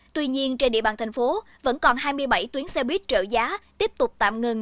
tuy nhiên trên địa bàn thành phố vẫn còn hai mươi bảy tuyến xe buýt trợ giá tiếp tục tạm ngừng